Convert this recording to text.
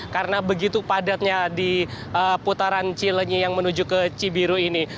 karena begitu padatnya di putaran cilengi yang menuju ke cibiru ini